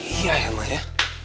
iya emang ya